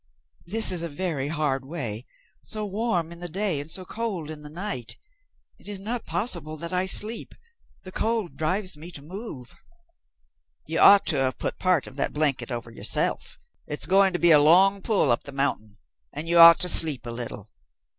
"This is a very hard way so warm in the day and so cold in the night. It is not possible that I sleep. The cold drives me to move." "You ought to have put part of that blanket over yourself. It's going to be a long pull up the mountain, and you ought to sleep a little.